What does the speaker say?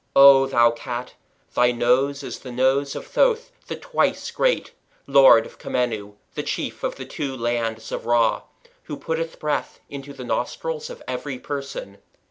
O thou Cat, thy nose is the nose of Thoth, the Twice Great, Lord of Khemenu (Hermopolis), the Chief of the Two Lands of Ra, who putteth breath into the nostrils of every person.